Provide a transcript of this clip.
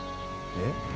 えっ？